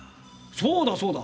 そうだそうだ。